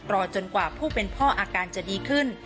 จนกว่าผู้เป็นพ่ออาการจะดีขึ้น